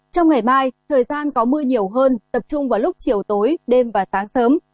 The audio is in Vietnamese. trong ngày mai thời gian có mưa nhiều hơn tập trung vào lúc chiều tối đêm và sáng sớm